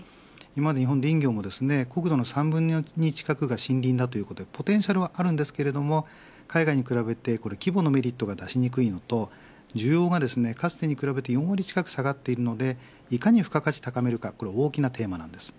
日本の林業は国土の３分の２近くが森林だということでポテンシャルはあるんですが海外に比べて規模のメリットが出しにくいのと需要が、かつてに比べて４割近く下がっているのでいかに付加価値を高めるかが大きな点なんです。